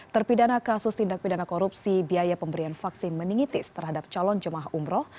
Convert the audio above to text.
terpidana kasus tindak pidana korupsi biaya pemberian vaksin meningitis terhadap calon jemaah umroh